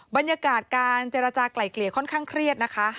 บรรยากาศการเจรจากลายเกลี่ยค่อนข้างเครียดนะคะ